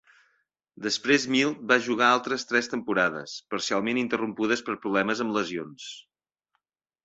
Després Mild va jugar altres tres temporades, parcialment interrompudes per problemes amb lesions.